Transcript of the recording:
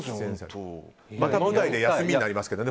また舞台で休みになりますけど。